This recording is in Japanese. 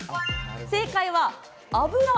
正解は、油。